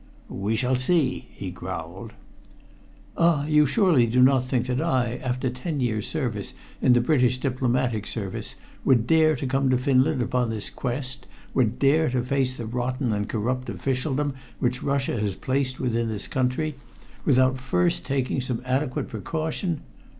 "We shall see," he growled. "Ah! you surely do not think that I, after ten years' service in the British diplomatic service, would dare to come to Finland upon this quest would dare to face the rotten and corrupt officialdom which Russia has placed within this country without first taking some adequate precaution?